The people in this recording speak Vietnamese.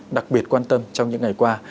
đặc biệt quan tâm trong những ngày qua